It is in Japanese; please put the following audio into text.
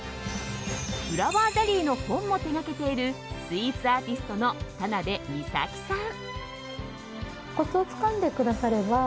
フラワーゼリーの本も手掛けているスイーツアーティストの田邉美佐紀さん。